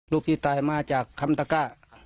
ลูกที่ตายมาจากคำตะก้า